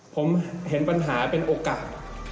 ผมเห็นปัญหาเป็นโอกาส